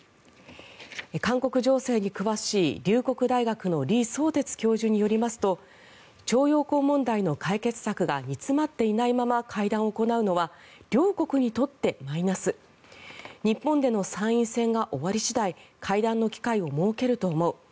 韓国情勢に詳しい龍谷大学の李相哲教授によりますと徴用工問題の解決策が煮詰まっていないまま会談を行うのは両国にとってマイナス日本での参院選が終わり次第会談の機会を設けると思う